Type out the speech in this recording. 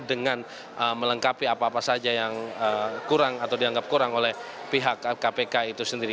dengan melengkapi apa apa saja yang kurang atau dianggap kurang oleh pihak kpk itu sendiri